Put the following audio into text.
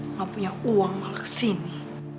nggak punya uang malah kesini